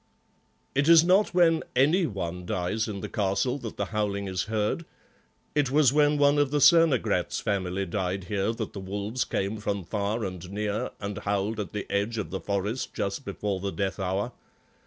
"It is not when any one dies in the castle that the howling is heard. It was when one of the Cernogratz family died here that the wolves came from far and near and howled at the edge of the forest just before the death hour.